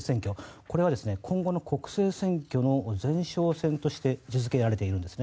これは今後の国政選挙の前哨戦として位置付けられているんですね。